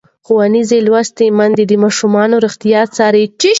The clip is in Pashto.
ښوونځې لوستې میندې د ماشومانو روغتیا څاري.